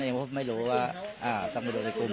คนที่รักษาด้วยกันมีมั้ยครับ